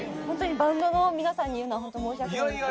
バンドの皆さんに言うのはホント申し訳ないんですけど。